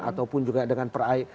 ataupun juga dengan